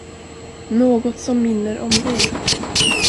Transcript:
Något som minner om dig.